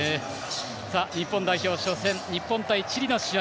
日本代表、初戦日本対チリの試合